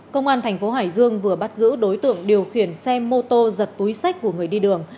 công an thành phố hải dương vừa bắt giữ đối tượng điều khiển xe mô tô giật túi sách của người đi đường